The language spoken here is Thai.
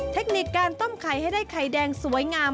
เทคนิคการต้มไข่ให้ได้ไข่แดงสวยงาม